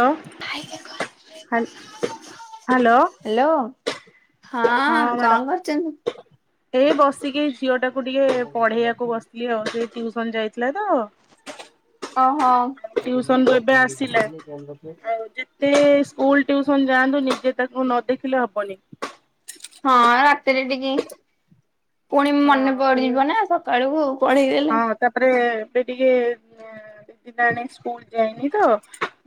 ଆଓ। ଖାଇଲେ କଣ? ହ୍ୟାଲୋ ହଁ ହ୍ୟାଲୋ ହଁ କଣ ମ୍ୟାଡ଼ାମ କରୁଚନ୍ତି। ଏଇ ବସିକି ଝିଅଟାକୁ ଟିକେ ପଢେଇବାକୁ ବସିଥିଲି ଆଉ ସେ ଟିୟୁସନ ଯାଇଥିଲା ତ। ଅଁ ହଁ। ଟିଉସନରୁ ତେ ସ୍କୁଲ ଟିୟୁସନ ଯାଆନ୍ତୁ ନିଜେ ତାକୁ ନ ଦେଖିଲେ ହବନି। ହଁ ରାତିରେ ଟିକେ ପୁଣି ହଁ ମନେ ସେ ପଡିଯିବ ନା ସକାଳକୁ। ପଳେଇ ଗଲେ। ହଁ ତାପରେ ସେ ଟିକେ ନେ ଏଣେ ସ୍କୁଲ ଯାଇନି ତ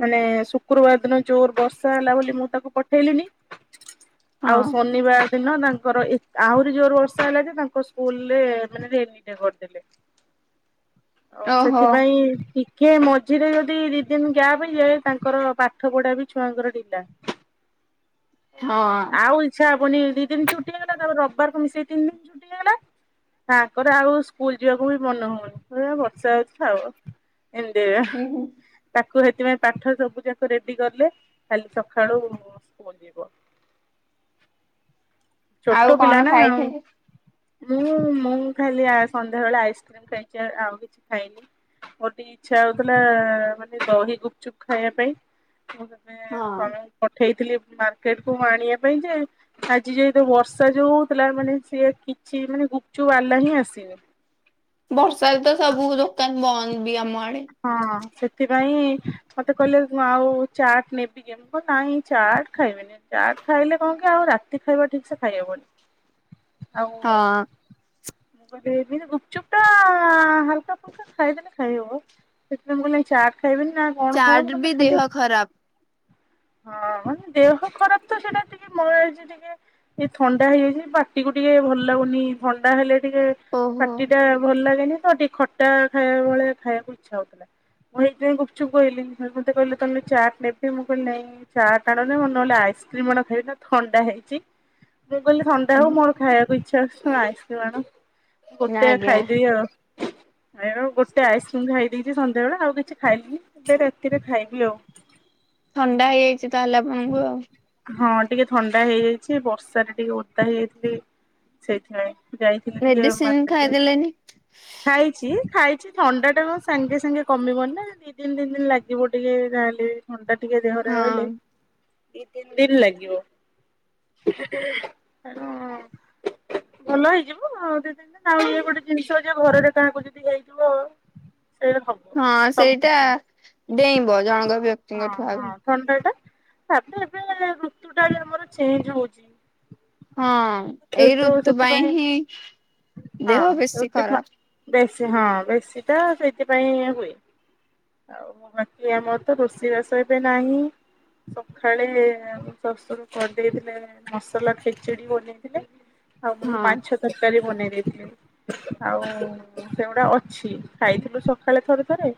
ମାନେ ଶୁକ୍ରବାର ଦିନ ଜୋର ବର୍ଷା ହେଲା ବୋଲି ମୁଁ ତାକୁ ପଠେଇଲିନି ହଁ। ଆଉ ଶନିବାର ଦିନ ତାଙ୍କର ଏତ୍‌ ଆହୁରି ଜୋର ବର୍ଷା ହେଲା ଯେ ତାଙ୍କ ସ୍କୁଲରେ ମାନେ ରେନିଡେ କରିଦେଲେ। ଅ ଓହୋ ସେଥିପାଇଁ ଠିକ୍ କିଏ ମଝିରେ ଯଦି ଦି ଦିନି ଗ୍ୟାପ୍ ହେଇ ଯାଏ ତାଙ୍କର ପାଠ ପଢା ବି ଛୁଆଙ୍କର ଡିଲା। ହଁ ଆଉ। ଇଛା ହବନି ଦି ଦିନି ଛୁଟି ହେଇଗଲା ତାପରେ ରବିବାର କୁ ମିସେଇ ତିନ ଦିନ୍‌ ଛୁଟି ହେଇଗଲା। ତାଙ୍କର ଆଉ ସ୍କୁଲ ଯିବାକୁ ବି ମନ ହଉନି। ପୁଣି ବର୍ଷା ହେଉଚି ଥାଉ ଏମିତି ଏଆ। ତାକୁ ସେଥିପାଇଁ ପାଠ ସବୁ ଯାକ ରେଡି କଲେ କାଲି ସକାଳୁ ସ୍କୁଲ ଯିବ। ଆଉ ଛୋଟ ପିଲା କଣ ନା ଆଉ। ଖାଇଥିଲି? ମୁଁ ମୁଁ ଖାଲି ଆ ସନ୍ଧ୍ୟାବେଳେ ଆଇସ୍କ୍ରିମ ଖାଇଛି ଆ ଆଉ କିଛି ଖାଇନି। ମୋର ଟିକେ ଇଚ୍ଛା ହଉଥିଲା ମାନେ ଦହି ଗୁପ୍ ଚୁପ୍ ଖାଇବା ପାଇଁ। ହଁ ସମ ପଠେଇଥିଲି ମାର୍କେଟ କୁ ଆଣିବା ପାଇଁ ଯେ ଆଜି ଯାଏ ଯୋଉ ବର୍ଷା ଯୋଉ ହଉଥିଲା ମାନେ ସିଏ କିଛି ମାନେ ଗୁପ୍ ଚୁପ୍ ଆଲା ହିଁ ଆସନି। ବର୍ଷାରେ ତ ସବୁ ଦୋକାନ ବନ୍ଦ ବି ଆମ ଆଡେ। ହଁ ସେଥିପାଇଁ ମତେ କହିଲେ ଆଉ ଚାଟ୍ ନେବି କି କେମ ନାଇଁ ଚାଟ୍ ଖାଇବିନି ଚାଟ୍ ଖାଇଲେ କଣ କି ଆଉ ରାତି ଖାଇବା ଠିକ୍ ସେ ଖାଇହବନି। ଆଉ ହଁ ମୁଁ [inaudible] ଗୁପଚୁପ୍ ଟା [unintelligible] ଫୁଲକା ଫୁଲକା ଖାଇଦେଲେ ଖାଇହେବ, ସେଥିପାଇଁ ମୁଁ କହିଲି ନା ଚାଟ୍ ଖାଇବି ନା କଣ ଖାଇବ, ଚାଟ ମୁଁ କହିଲି ବି ନା ଦେହ ଖାଲି ଖରାପ। ହଁ ହଁ, ଦେହ ଖରାପ ତ ସେଇଟା ଟିକେ [unintelligible] ଟିକେ ସେ ଥଣ୍ଡା ହେଇଯାଇଛି ପାଟିକୁ ଟିକେ ଭଲ ଲାଗୁନି ଥଣ୍ଡା ହେଲେ ଟିକେ ଓହୋ ପାଟିଟା ଭଲ ଲାଗେନି ତ ଟିକେ ଖଟା ଖାଇବା ଭଳିଆ ଖାଇବାକୁ ଇଚ୍ଛା ହଉଥିଲା। ମୁଁ ଏଇଥି ପାଇଁ ଗୁପଚୁପ୍ କହିଲିନି, ମତେ କହିଲେ‌ ତାହେଲେ ଚାଟ୍ ନେବି ମୁଁ କହିଲି ନାଇଁ। ଚାଟ୍ ଆଣନି ମୁଁ ନହେଲେ ଆଇସ୍କ୍ରିମ୍ ଗୋଟେ ଖାଇ [inaudible] ଥଣ୍ଡା ହେଇଛି। ମୁଁ କହିଲି ଥଣ୍ଡା ହଉ ମୋର ଖାଇବାକୁ ଇଚ୍ଛା ହଉଛି ତମେ ଆଇସ୍କ୍ରିମ୍ ଆଣ ଗୋଟେ ଆଜ୍ଞା ଖାଇଦେବି ଆଉ। ଆଣ ଗୋଟେ ଆଇସ୍କ୍ରିମ ଖାଇ ଦେଇଛି ସଧ୍ୟାବେଳେ ଆଉ କିଛି ଖାଇଲିନି [unintelligible] ରାତିରେ ଖାଇବି ଆଉ। ଥଣ୍ଡା ହେଇଯାଇଛି ତାହେଲେ ଆପଣଙ୍କୁ ଆଉ। ହଁ ଟିକେ ଥଣ୍ଡା ହେଇଯାଇଛି ବର୍ଷାରେ ଟିକେ ଓଦା ହେଇଯାଇଥିଲି ସେଇଥିପାଇଁ। ଯାଇଥିଲି ଟିକେ ମେଡିସିନ ମାର୍କେଟ ଯାଇଥିଲି। ଖାଇଦେଲେନି। ଖାଇଛି, ଖାଇଛି ଥଣ୍ଡାଟା କଣ ସାଙ୍ଗେ ସାଙ୍ଗେ କମିବନି ନା। ଦି ତିନି ଦିନ୍ ତିନ ଦିନ୍ ଲାଗିବ ଟିକେ ଯାହେଲେ ଥଣ୍ଡା ଟିକେ ଦେହରେ ରହିଲେ। ହଁ। ଦି ତିନି ଦିନ ଲାଗିବ। ଭଲ ହେଇଯିବ ଆଉ ଦି ଦିନ। [inaudible] ଆଉ ଇଏ ଗୋଟେ ଜିନିଷ ଯେ ଘରେ [inaudible] କାହାକୁ ଯଦି ହେଇଯିବ ହଁ ସେଇଟା ଡେଇଁବ ଜଣଙ୍କ ବ୍ୟକ୍ତିଙ୍କଠୁ ଆଉ ଥଣ୍ଡାଟା ତାପରେ ଏବେ ଋତୁଟା ବି ଆମର ଚେଞ୍ଜ୍ ହଉଛି। ହଁ ଏଇ ତ ଋତୁ ପାଇଁ ସେଥିପାଇଁ ହିଁ ହଁ ଦେହ ବେଶୀ ରୁଟି ମା ଖରାପ। ବେଶୀ ହଁ ବେଶୀ ତ ସେଇଥିପାଇଁ ହୁଏ। ଆଉ ବାକି ଆମର ତ ରୋଷେଇବାସ ଏବେ ନାହିଁ। ସଖାଳେ-ଏ-ଏ ଶଶୁର କରିଦେଇଥିଲେ ମସଲା ଖେଚିଡି ବନେଇଥିଲେ। ଆଉ ମୁଁ ହଁ। ମାଛ ତରକାରୀ ବନେଇ ଦେଇଥିଲି। ଆଉ ସେଗୁଡା ଅଛି ଖାଇଥିଲୁ ସକାଳେ ଥରେ ଥରେ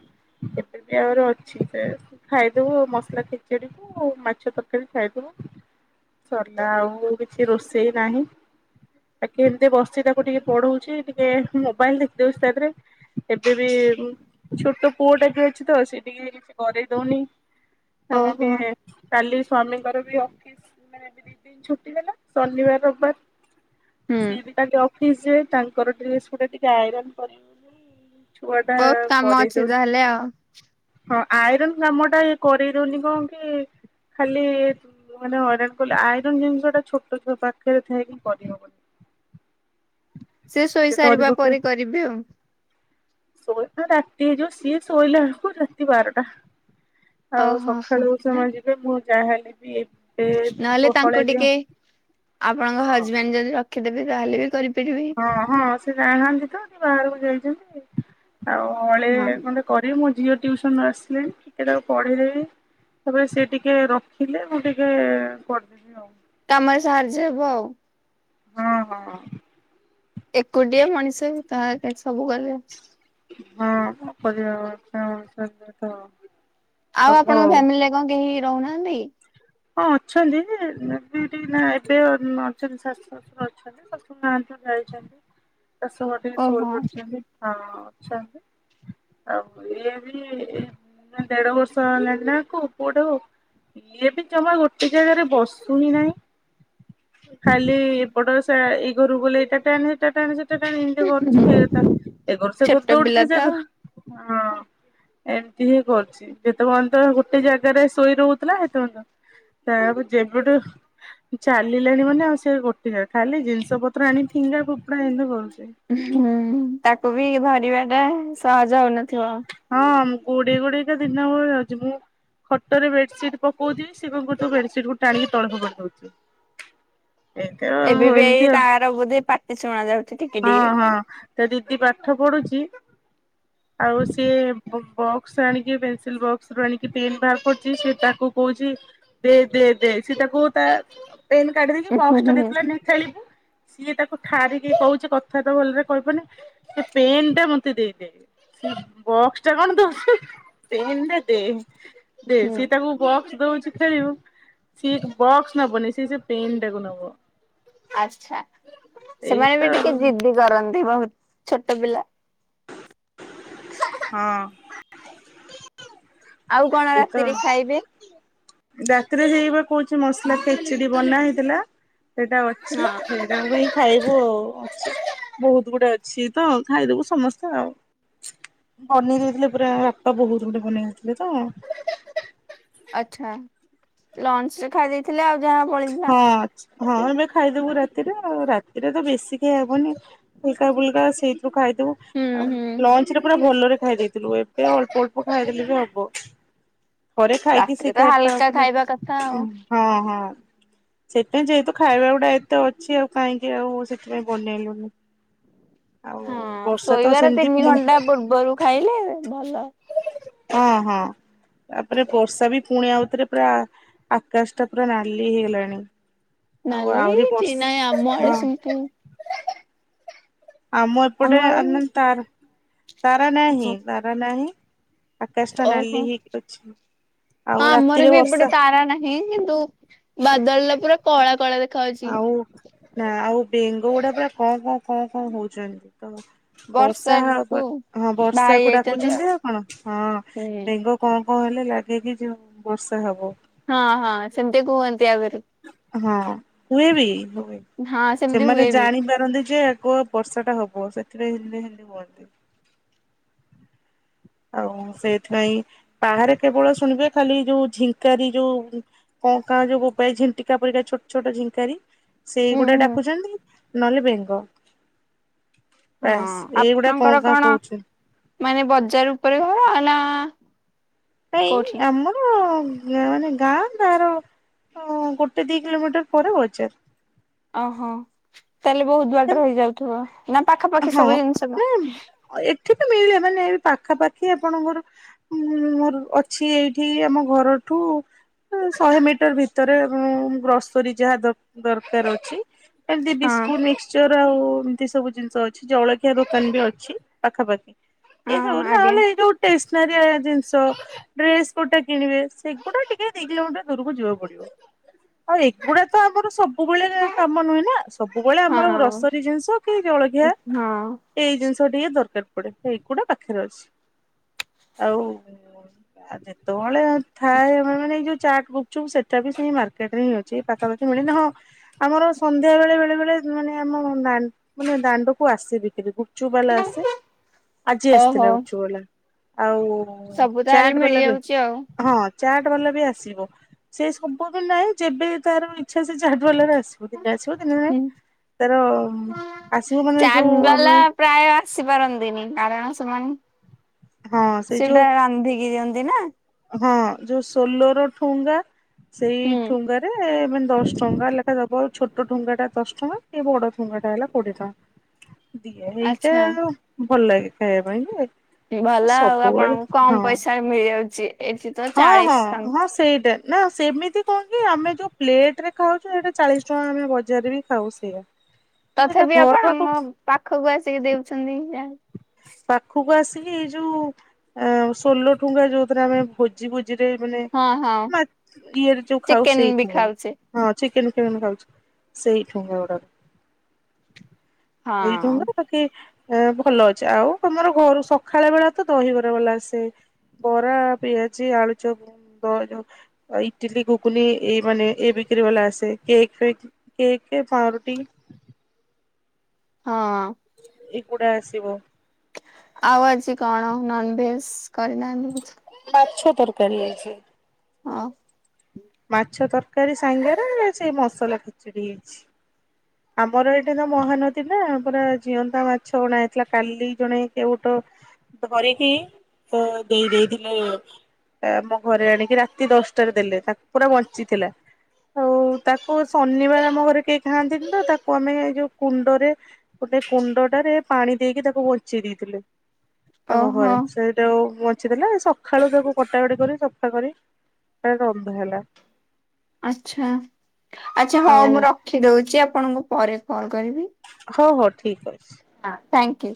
ଏବେବି ଆହୁରି ଅଛି ସେୟାକୁ ଖାଇଦେବୁ ମସଲା ଖେଚେଡି। ମାଛ ତରକାରୀ ଖାଇଦବୁ, ସରିଲା ଆଉ କିଛି ରୋଷେଇ ନାହିଁ। ବାକି ଏମିତି ବସିଛି ତାକୁ ଟିକେ ପଢଉଛି ଟିକେ ମୋବାଇଲ୍ ଦେଖି ଦଉଛି ତାଧେରେ। ଏବେ ବି ଉଁ ଛୋଟ ପୁଅଟା ବି ଅଛି ତ ସେ ଟିକେ କିଛି କରେଇ ଦଉନି ଉଁ। ଓହୋ କାଲି ସ୍ଵାମୀଙ୍କର ବି ଅଫିସ୍ ନାଇଁ। ଏବେ ଦି ଦିନ ଛୁଟି ହେଲା ଶନିବାର ରବିବାର। ହୁଁ ସିଏ ବି ତାଙ୍କ ଅଫିସ ଯିବେ ତାଙ୍କର ଡ୍ରେସପଟା ଟିକେ ଆଇରନ୍ କରିବି ବୋଲି [inaudible] ଛୁଆଟା ବହୁତ କାମ କରେଇ ଅଛି ଦଉନି। ତାହେଲେ ଆଉ। ହଁ, ଆଇରନ୍ କାମଟା ଇଏ କରେଇ ଦଉନି କଣ କି ଖାଲି ମାନେ ହଇରାଣ କଲେ ଆଇରନ୍ ଜିନିଷଟା ଛୋଟ ଛୁଆ ପାଖରେ ଥାଇକି କରିହବନି। ସେ ଶୋଇ ସାରିବା ପରେ କରିବେ ଆଉ। ଶୋଉ ଶୋଉ ରାତି ହେଇଯିବ ସିଏ ଶୋଇଲା ବେଳକୁ ରାତି ବାରଟା। ଆଉ ଓହୋ ହୋ। ସକାଳୁ ସେମାନେ ଯିବେ ମୁଁ ଯାହାହେଲେ ବି ନହେଲେ ଗହଳେ ତାଙ୍କୁ ଦିଅ ଟିକେ ଆପଣଙ୍କ ହଁ ହଜବେଣ୍ଡ ଯଦି ରଖିଦେବେ ତାହେଲେ ବି କରି ହଁ-ହଁ, ସେ ନାହାନ୍ତି ତ ଟିକେ ବାହାରକୁ ଯାଇଛନ୍ତି ଆଉ ହଳେ ହଁ ଖଣ୍ଡେ କରିବି, ମୋ ଝିଅ ଟ୍ୟୁସନରୁ ଆସିଲେଣି ଟିକେ ତାକୁ ପଢେଇଦେବି। ତାପରେ ସିଏ ଟିକେ ରଖିଲେ ମୁଁ ଟିକେ କରିଦେବି ଆଉ। କାମରେ ସାହାଯ୍ୟ ହବ ଆଉ। ହଁ ହଁ। ଏକୁଟିଆ ମଣିଷ ବି ତା ସବୁ ବେଲେ ହଁବସ୍ [unintelligible] ଆଉ ଆପଣଙ୍କ ଫ୍ୟାମିଲିରେ କଣ କେହି ରହୁନାହାନ୍ତି। ହଁ ଅଛନ୍ତି ଏଟି ଏଠି ନା ଏତେ ଅଛନ୍ତି ଶାଶ ଶ୍ୱଶୁର ଅଛନ୍ତି ଶାଶୁ ନାହାଁନ୍ତି ଯାଇଛନ୍ତି ଶାଶୁ ଘଟିକି ଓହୋ ସୋଉଦା କରୁଚନ୍ତି। ହଁ ଅଛନ୍ତି। ଆଉ ଇଏବି ଦେଢ଼ ବର୍ଷ ହେଲାଣି ନା ଆକୁ ପୁଅଟାକୁ। ଇଏ ବି ଜମା ଗୋଟେ ଜାଗାରେ ବସୁନି ନାହିଁ। କାଲି ଏପଟ ସା ଏଇ ଘରୁକୁ ଗଲେ ଏଟା ଟା ଆଣି ବୁ ସେଟା ଆଣିବୁ। କେଜାଣି ଯୋ କରୁଚି ଏ ତାକୁ ଏ ବର୍ଷ ଛୋଟ କରୁଥିବ ବୋଲି ପିଲା ସେ ତ ସେଇ କୁ ଆଉ। ହଁ। ଏମିତି ହିଁ କରୁଛି ଯେତେ ପର୍ଯ୍ୟନ୍ତ ଗୋଟେ ଜାଗାରେ ଶୋଇ ରହୁଥିଲା ସେତେ ପର୍ଯ୍ୟନ୍ତ ସେ ଆବୁ ଯେବେଟୁ ଚାଲିଲାଣି ମାନେ ଆଉ ସେ ଗୋଟେ ଯାଗା ଖାଲି ଜିନିଷ ପତ୍ର ଆଣି ଫିଙ୍ଗା ଫୋପଡା ଏମତି କରୁଚି। ହୁଁ ତାକୁ ବି ଧରିବା ଟା ସହଜ ହଉନଥିବ। ହଁ ଗୋଡେଇ ଗୋଡେଇକା ଦିନ ଭଳି ଯାଉଛି ପା। ଖଟରେ ବେଡସିଟ୍ ପକଉଥିବି ସେ କଣ କରୁଥିବ ବେଡସିଟ୍ କୁ ଟାଣିକି ତଳେ ପକଉଥିବ। ଏବେ ବି ଏମିତି ଏଇ ଆଉ ତାର ବୋଧେ ପାଟି ଶୁଣା ଯାଉତିଥି। ହଁ ହଁ ତା ଦିଦି ପାଠ ପଢୁଚି ଆଉ ସିଏ ବ ସେ ଆଣିକି ପେନସିଲ୍‌ ବକ୍ସ ରୁ ଆଣିକି ପେନ୍ ବାହାର କରୁଚି ସେ ତାକୁ କହୁଚି ଦେ ଦେ ଦେ ସିଏ ତାକୁ ତା ପେନ୍ କାର୍ଡ ଦେଇକି ହୁଁ ବକ୍ସ ଟା ହୁଁ ଦେଇଥିଲା ନେ ଖେଲିବୂ ସିଏ ତାକୁ ଠାରିକି କହୁ ସେ କଥାବାର୍ତ୍ତା ଭଲରେ କରିପାରୁନି ସେ ପେନ୍‌ଟା ମତେ ଦେଇ ଦେ। ବକ୍ସଟା କଣ ଦଉଛୁ ପେନ୍‌ଟା ଦେ। ଦେ ହୁଁ ସେ ତାକୁ ବକ୍ସ ଦଉଛି। ଖେଳିବ ସେ ବକ୍ସ ନବନି ସେ ସେ ପେନ୍‌ଟାକୁ ନବ। ଆଛା ସେମାନେ ଏଇତ ବି ଟିକେ ଜିଦି କରନ୍ତି ବହୁତ୍ ଛୋଟ ପିଲା। ହଁ। ଆଉ କଣ ରାତିରେ ଏଇତ ଖାଇବେ? ରାତିରେ ହେଇବା କହୁଛିି ମସଲା ଖେଚେ଼ଡି ବନା ହେଇଥିଲା ସେଇଟା ଅଛି। ହଁ ସାଙ୍ଗହୋଇ ଖାଇବୁ ଆଉ ଅଛି। ବହୁତ୍ ଗୁଡାଏ ଅଛିତ ଖାଇଦବୁ ସମସ୍ତେ ଆଉ। ବନେଇ ଦେଇଥିଲେ ପୁରା ଭାତ ବହୁତ୍ ଗୁଡେ ବନେଇ ଦେଇେଥିଲେ ତ ଆଛା ଲଞ୍ଚରେ ଖାଇ ଦେଇଥିଲେ ଆଉ ଯାହା ବଳିଥିଲା ହଁ ହଁ ଏବେ ଖାଇଦବୁ ରାତିରେ ଆଉ ରାତିରେ ତ ବେଶୀ ଖିଆହବନି ହାଲକା ଫୁଲକା ସେଇ ଖାଇଦେବୁ ହୁଁ ହୁଁ ଆଉ ଲଞ୍ଚରେ ପୁରା ଭଲରେ ଖାଇ ଦେଇଥିଲୁ ଏବେ ଅଳ୍ପ ଅଳ୍ପ ଖାଇଦେଲେବି ହବ। ଥରେ ଖାଇକି ସେ ରାତିରେ ତ ଖା ହାଲକା ଖାଉଥିଲା ଖାଇବା କଥା ଆଉ। ହଁ ହଁ ସେତେ ଯେହେତୁ ଖାଇବା ଗୁଡା ଏତେ ଅଛି ଆଉ କାହିଁକି ଆଉ ସେଥିପାଇଁ ବନେଇଲୁନୁ। ଆଉ ହଁ ବର୍ଷା ତ ଶୋଇବାର ସେମିତି ତିନି ପୁଣି ଘଣ୍ଟା ପୂର୍ବରୁ ଖାଇଲେ ଭଲ। ହଁ ହଁ। ତାପରେ ବର୍ଷାବି ପୁଣି ଆଉଥରେ ପୁରା ଆକାଶଟା ପୁରା ନାଲି। ହେଇ ହେଇଗଲାଣି ଆଉ ନାଲି ଆହୁରି ଚି ନାଇଁ ଆମ ବର୍ଷ ଆଡେ ହଁ। ସେମିତି ଆମ ଏପଟେ ଆମର ଆ ବି ତାର ତାରା ନାହିଁ ତାରା ନାହିଁ। ଆକାସାଟା ନାଲି ଓହୋ। ହେଇକି ଅଛି। ହଁ ଆଉ ଆମର ବି ରାତିରେ ଏପଟେ ବର୍ଷା [unintelligible] କିନ୍ତୁ ବାଦଲ ଟା ପୁରା କଳା କଳା ଦେ ଆଉ ନା ଆଉ ବେଙ୍ଗ ଗୁଡା ପୁରା ଙ୍କ ଙ୍କ ଙ୍କ ଙ୍କ ହଉଛନ୍ତି। ବର୍ଷା ବର୍ଷାକୁ ହଁ ବାହାରି ବର୍ଷାକୁ ଯାଇଛନ୍ତି ଆଉ। ଡାକୁଛନ୍ତୀ ଆପଣ ହଁ ହୁଁ ବେଙ୍ଗ ଙ୍କ ଙ୍କ ହେଲେ ଲାଗେକିି ଯୋଉ ବର୍ଷା ହବ। ହଁ ହଁ ସେମିତି କୁହନ୍ତି ଆଗରୁ। ହଁ ହୁଏବି ହୁଏ, ହଁ ସେମିତି ସେମାନେ ହୁଏ ବି। ଜାଣିପାରନ୍ତି ଯେ ଗୋ ବର୍ଷା ଟା ହବ ସେଥିପାଇଁ [unintelligible] ହୁଅନ୍ତି ଆଉ ସେଇଥିପାଇଁ ବାହାରେ କେବଳ ଶୁଣିବେ ଖାଲି ଯୋଉ ଝିଙ୍କାରି ଯୋଉ ଙ୍କ କାଁ ଯୋଉ ବୋବାଇ ଝିଣ୍ଟିକା ପରିକା ଛୋଟ ଛୋଟ ଝିଙ୍କାରି ହୁଁ ସେଇଗୁଡା ହୁଁ ଡାକୁଚନ୍ତି, ନହେଲେ ବେଙ୍ଗ ହଁ ବାସ୍ ଏଇଗୁଡା ଙ୍କ ଆପଣଙ୍କର ଙ୍କା କଣ ହୋଉଛନ୍ତି। ମାନେ ବଜାର ଉପରେ ଘର ନା ଭାଇ କୋଉଠି? ଆମ ମାନେ ଗାଁ ତାର ଗୋଟେ ଉ ଦି କିଲୋମିଟର ପରେ ବଜାର। ଓହୋ ତାହେଲେ ବହୁତ ହଁ ବାଟର ହେଇଯାଉଥିବ ନା ପାଖାପାଖି ସବୁ ଜିନିଷ ଏଠିବି ମିଳେ ମାନେ ଏ ପାଖାପାଖି ଆପଣଙ୍କର ହଁ ମୋର ଅଛି ଏଇଠି ଆମ ଘରଠୁ ଶହେ ମିଟର ଭିତରେଉ ଗ୍ରସରୀ ଯାହା ଦ ଦରକାର ଅଛି ଏମତି ହଁ ବିସ୍କୁଟ, ମିକ୍ସଚର ଆଉ ଏମିତି ସବୁ ଜିନି ସ ଅଛି ଜଳଖିଆ ଦୋକାନବି ଅଛି। ପାଖାପାଖି ଏ ହଁ ସବୁ ଆଜ୍ଞା ନହେଲେ ଏଇ ଯୋଉ ଟେସନାରୀ ଆ ଜିନିଷ ଡ୍ରେସ କୋଉଟା କିଣିବେ, ସେଗୁଡା ଟିକେ ଦି କିଲୋମିଟର ଦୂରକୁ ଯିବାକୁ ପଡିବ। ଆଉ ଏଗୁଡାତ ଆମର ସବୁବେଳେ କାମ ନୁହେଁନା, ସବୁବେଳେ ହଁ ଆମର ଗ୍ରସରୀ ଜିନିଷ କି ଜଳ ହଁ। ଏଇ ଜିନିଷ ଟିକେ ଦରକାର ପଡେ, ଏଗୁଡା ପାଖରେ ଅଛି। ଆଉ ଆ ଯେତେବେଳେ ଥାଏ, ମାନେ ଏଇ ଯୋଉ ଚାଟ ଗୁ ଚୁପ୍ ସେଟା ବି ସେଇ ମାର୍କେଟରେ ହିଁ ଅଛି, ପାଖାପାଖି ମିଳେନି ହଁ। ଆମର ସନ୍ଧ୍ୟା ବେଳେ ବେଳେବେଳେ ଉ ମାନେ ଆମ [unintelligible] ଦାଣ୍ଡକୁ ଆସିବିକ୍ରି ଗୁପଚୁପବାଲା ଆସେ ଆଜି ଓହୋ ଆସିଥିଲା ଗୁପଚୁପବାଲା ଆଉ ସବୁ ତାହେଲେ ଚାଟ୍ ବଲା ବି ମିଳିଯାଉଛି ଆଉ। ହଁ। ଚାଟ୍ ବାଲା ବି ଆସିବ, ସେ ସବୁ ବି ନାହିଁ ଯେବେ ତାର ଇଛା ସେ ଚାଟ୍ ବାଲାର ଆସିବ। ଦିନେ ଆସିବ ଦିନେ ନାଇଁ ତାର ଆସିବ ମାନେ ଚାଟ ଯୋଉ ଆମ ବାଲା ପ୍ରାୟ ଆସି ପାରନ୍ତିନି କାରଣ ସେମାନେ ହଁ ସେଇ ଯୋଉ ସେଇଟା ରାନ୍ଧିକି ଦିଅନ୍ତି ନା। ହଁ ଯୋଉ ସୋଲର ଠୁଙ୍ଗା ସେଇ ହୁଁ ଠୁଙ୍ଗାରେ ମାନେ ଦଶ ଟଙ୍କା ଲେଖା ଦବ ଆଉ ଛୋଟ ଠୁଙ୍ଗାଟା ଦଶ ଟଙ୍କା। ଏ ବଡଠୁଙ୍ଗାଟା ହେଲା କୋଡିଏ ଟଙ୍କା ଦିଏ ଏଇଟା ଆଚ୍ଛା। ଆଉ। ଭଲଲାଗେ ଖାଇବା ପାଇଁ ଯେ ଭଲ ଆଉ ସବୁବେଳେ ଆପଣଙ୍କୁ କମ ହଁ ପଇସାରେ ମିଳିଯାଉଛି ଏଠି ତ ହଁ ହଁ ଚାଳିସି ଟଙ୍କା। ହଁ ସେଇଟା ନା ସେମିତି କଣ କି ଆମେ ଯୋଉ ପ୍ଲେଟରେ ଖାଉଛୁ ସେଇଟା ଚାଳିସି ଟଙ୍କା ଆମେ ବଜାରରେ ବି ଖାଉ ସେଇଆ। [inaudible] ତଥାପି ଘର ପାଖ ଆପଣଙ୍କ ପାଖକୁ ଆସିକି ଦେଉଛନ୍ତି। ପାଖକୁ ଆସିକି ଏଇ ଯୋଉ ଅ ଷୋଲଠୁଙ୍ଗା ଯୋଉଥିରେ ଆମେ ଭୋଜି ବୋଜିରେ ମାନେ ହଁ ହଁ। ମା ଇଏରେ ଯୋଉ ଖାଉ ଚିକେନ ସେଇ ବି ଠୁଙ୍ଗା। ଖାଉଛେ ହଁ ଚିକେନ ଫିକେନ୍ ଖାଉଛୁ ସେଇ ଠୁଙ୍ଗା ଗୁଡା ହଁ ଏଇ ଠୁଙ୍ଗା କି ଭଲ ଅଛି, ଆଉ ତମର ଘରୁ ସଖାଳ ବେଳାତ ଦହିବରା ବାଲା ଆସେ। ବରା, ପିଆଜି, ଆଳୁଚପ୍, ବ୍ ଯୋଉ ଇଟିଲିି ଘୁଗୁନି ଏଇ ମାନେ ଏ ବିକ୍ରି ବାଲା ଆସେ, କେକ୍ ଫେକ୍ କେକ୍, ପାଉଁରୁଟି ହଁ। ଏଗୁଡା ଆସିବ। ଆଉ ଆଜି କଣ ନନଭେଜ୍ କରିନାହାନ୍ତି କିଛି? ମାଛ ତରକାରୀ ହେଇଛି। ହଁ। ମାଛ ତରକାରୀ ସାଙ୍ଗରେ, ସେ ମସଲା ଖେଚୁଡି ହେଇଛି। ଆମର ଏଇଟା ତ ମହାନଦୀ ନା, ପୁରା ଜିଅନ୍ତା ମାଛ ଅଣା ହେଇଥିଲା। କାଲି ଜଣେ କେଉଟ ଧରିକି ତ ଦେଇ ଦେଇଥିଲେ ଆମ ଘରେ ଆଣିକି ରାତି ଦଶଟାରେ ଦେଲେ, ତାକୁ ପୁରା ବଞ୍ଚିଥିଲା। ଆଉ ତାକୁ ଶନିବାର ଆମ ଘରେ କେହି ଖାଆନ୍ତିନି ତ, ତାକୁ ଆମେ ଯୋଉ କୁଣ୍ଡରେ ଗୋଟେ କୁଣ୍ଡଟାରେ ପାଣି ଦେଇକି ତାକୁ ବଞ୍ଚେଇ ଦେଇଥିଲୁ, ଆମ ଓହୋ ଘରେ ସେ ଯୋଉ ବଞ୍ଚିଥିଲା, ସକାଳୁ ତାକୁ କଟାକଟି କରି ସଫା କରି ରନ୍ଧା ହେଲା। ଆଚ୍ଛା ଆଚ୍ଛା ଆଉ ହଉ ମୁଁ ରଖିଦଉଛି, ଆପଣଙ୍କୁ ପରେ କଲ୍ କରିବି। ହଉ ହଉ ଠିକ୍ ଅଛି। ହଁ ଥ୍ୟାଙ୍କ୍ ୟୁ।